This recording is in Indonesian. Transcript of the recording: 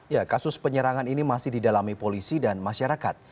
ya kasus penyerangan ini masih didalami polisi dan masyarakat